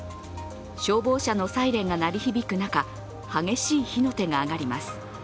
消防車のサイレンが鳴り響く中、激しい火の手が上がります。